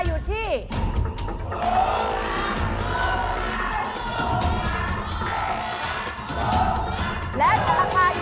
โปรดติดตามต่อไป